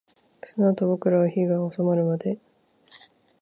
そのあと、僕らは火が収まるまで、ずっと丸太の前で座っていた